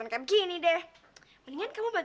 lihat dia udah jadi anak yang baik